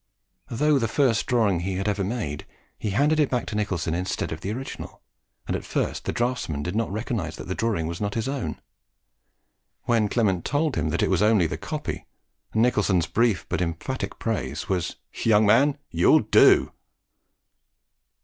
Though the first drawing he had ever made, he handed it back to Nicholson instead of the original, and at first the draughtsman did not recognise that the drawing was not his own. When Clement told him that it was only the copy, Nicholson's brief but emphatic praise was "Young man, YOU'LL DO!"